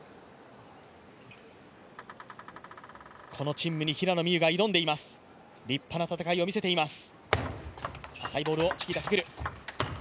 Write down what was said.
この陳夢に平野美宇が挑んでいます、立派な戦いを見せています。